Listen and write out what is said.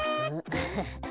アハハ。